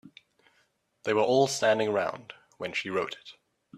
They were all standing around when she wrote it.